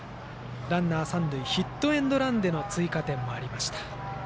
ランナー、三塁ヒットエンドランでの追加点もありました。